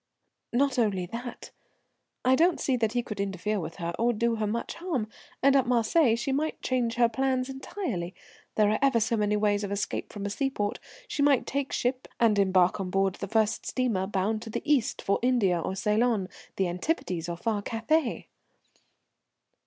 "Not only that, I don't see that he could interfere with her, or do her much harm, and at Marseilles she might change her plans entirely. There are ever so many ways of escape from a seaport. She might take ship and embark on board the first steamer bound to the East, for India or Ceylon, the Antipodes or far Cathay."